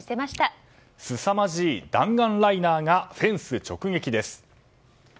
すさまじい弾丸ライナーがフェンス直撃です。